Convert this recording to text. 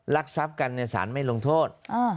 รักทรัพย์กันสารไม่ลงโทษ